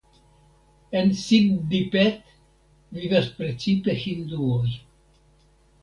En Siddipet vivas precipe hinduoj.